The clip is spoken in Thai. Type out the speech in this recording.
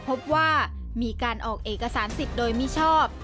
พบว่ามีการออกเอกสารสิทธิ์โดยมิชอบ